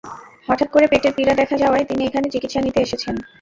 হঠাত্ করে পেটের পীড়া দেখা দেওয়ায় তিনি এখানে চিকিৎসা নিতে এসেছেন।